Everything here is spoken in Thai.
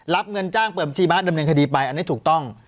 รับเงินจ้างเปิดบัญชีม้าดำเนินคดีไปอันนี้ถูกต้อง